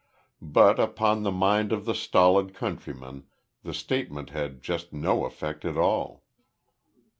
But upon the mind of the stolid countryman the statement had just no effect at all.